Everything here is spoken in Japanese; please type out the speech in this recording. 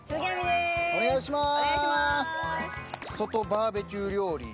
お願いします。